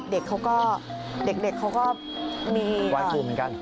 เด็กเขาก็มีว่ายครูเหมือนกัน